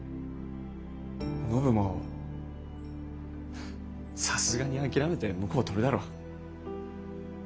お信もさすがに諦めて婿を取るだろ。